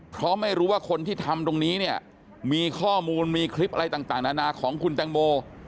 เพราะไม่รู้ว่าคนที่ทำตรงนี้เนี่ยมีข้อมูลมีคลิปอะไรต่างนานาของคุณแตงโม